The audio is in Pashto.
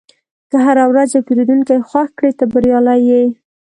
که هره ورځ یو پیرودونکی خوښ کړې، ته بریالی یې.